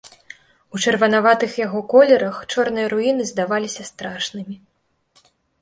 У чырванаватых яго колерах чорныя руіны здаваліся страшнымі.